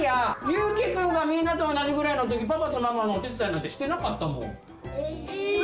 ゆーきくんがみんなと同じぐらいのときパパとママのお手伝いなんてしてなかったもん。